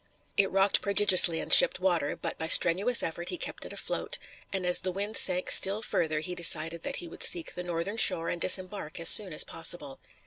It rocked prodigiously and shipped water, but by strenuous effort he kept it afloat, and as the wind sank still further he decided that he would seek the northern shore and disembark as soon as possible.